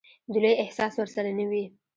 د لويي احساس ورسره نه وي.